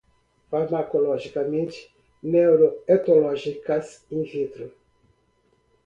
farmacologicamente, neuroetológicas, in vitro